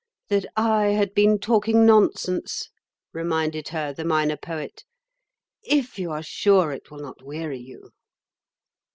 "That I had been talking nonsense," reminded her the Minor Poet; "if you are sure it will not weary you."